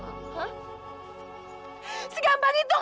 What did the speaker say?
ke menjwell pes hots nah